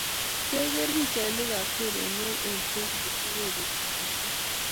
Keker pichainikap chorondok eng facebook ko kepet kasarta